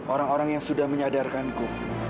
orang orang yang sudah menyadarkanku